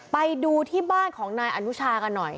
ไปดูที่บ้านของนายอนุชากันหน่อย